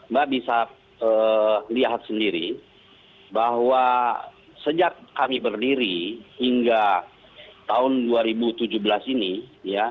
mbak bisa lihat sendiri bahwa sejak kami berdiri hingga tahun dua ribu tujuh belas ini ya